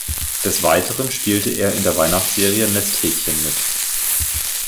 Des Weiteren spielte er in der Weihnachtsserie "Nesthäkchen" mit.